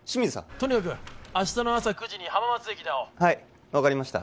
とにかく明日の朝９時に浜松駅で会おうはい分かりました